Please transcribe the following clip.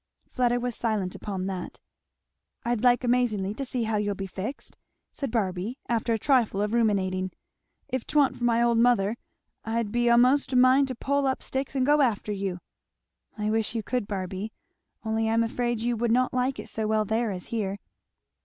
Fleda was silent upon that. "I'd like amazingly to see how you'll be fixed," said Barby after a trifle of ruminating. "If 'twa'n't for my old mother I'd be 'most a mind to pull up sticks and go after you." "I wish you could, Barby; only I am afraid you would not like it so well there as here."